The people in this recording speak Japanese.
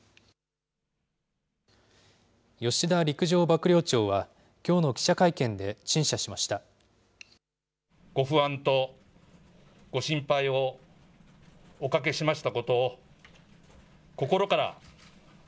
吉田陸上幕僚長は、きょうの記者会見で陳謝しました。